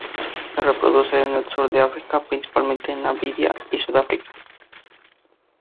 Se reproduce en el sur de África, principalmente en Namibia y Sudáfrica.